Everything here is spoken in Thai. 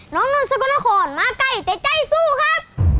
น้องนวลสกลนครมาไกลแต่ใจสู้ครับ